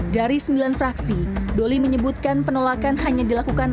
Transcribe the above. dari sembilan fraksi doli menyebutkan penolakan hanya dilakukan